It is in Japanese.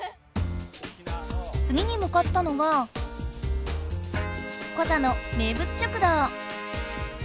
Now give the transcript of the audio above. つぎにむかったのはコザの名ぶつ食堂。